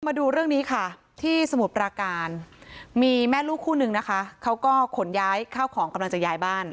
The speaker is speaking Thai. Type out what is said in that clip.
มาดูเรื่องนี้ค่ะที่สมุทรปราการมีแม่ลูกคู่นึงนะคะเขาก็ขนย้ายข้าวของกำลังจะย้ายบ้าน